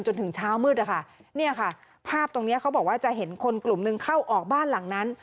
จนถึงเช้ามืดนะคะเนี่ยค่ะภาพตรงนี้เขาบอกว่าจะเห็นคนกลุ่มหนึ่งเข้าออกบ้านหลังนั้น